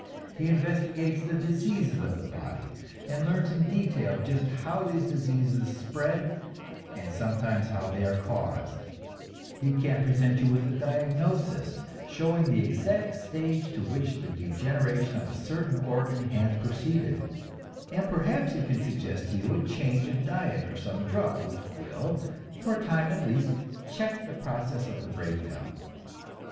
He investigates the diseases of the body and learns in detail just how these diseases spread and sometimes how they are caused; he can present you with a diagnosis, showing the exact stage to which the degeneration of a certain organ has proceeded, and perhaps he can suggest to you a change of diet or some drug which will, for a time at least, check the process of the breakdown.